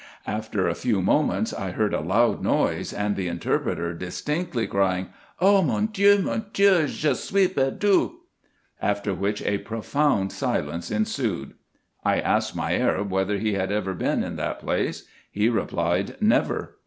After a few moments, I heard a loud noise, and the interpreter distinctly crying, " O mon Dieu ! nion Dieu ! je suis perdu!" After which, a profound silence ensued. I asked my Arab, whether he had ever been in that place ? He replied, " Never."